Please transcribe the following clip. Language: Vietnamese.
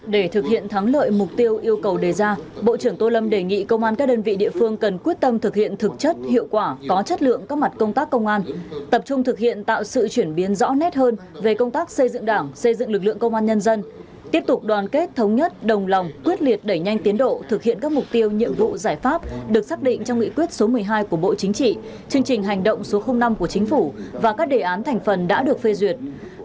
để thực hiện thắng lợi mục tiêu yêu cầu đề ra bộ trưởng tô lâm đề nghị công an các đơn vị địa phương cần quyết tâm thực hiện thực chất hiệu quả có chất lượng các mặt công tác công an tập trung thực hiện tạo sự chuyển biến rõ nét hơn về công tác xây dựng đảng xây dựng lực lượng công an nhân dân tiếp tục đoàn kết thống nhất đồng lòng quyết liệt đẩy nhanh tiến độ thực hiện các mục tiêu nhiệm vụ giải pháp được xác định trong nghị quyết số một mươi hai của bộ chính trị chương trình hành động số năm của chính phủ và các đề án thành phần đã được phê duyệt